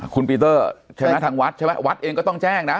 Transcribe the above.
คุณปีเตอร์ใช่ไหมทางวัดใช่ไหมวัดเองก็ต้องแจ้งนะ